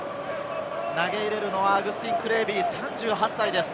投げ入れるのはアグスティン・クレービー、３８歳です。